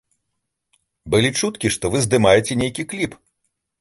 Былі чуткі, што вы здымаеце нейкі кліп.